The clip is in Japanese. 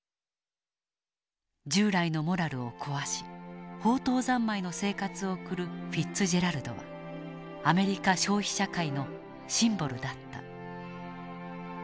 従来のモラルを壊し放蕩三昧の生活を送るフィッツジェラルドはアメリカ消費社会のシンボルだった。